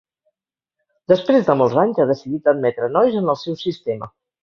Després de molts anys ha decidit admetre nois en el seu sistema.